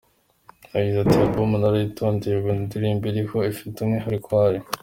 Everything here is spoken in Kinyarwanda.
Yagize ati “Iyi Album narayitondeye, buri ndirimbo iriho ifite umwihariko wayo.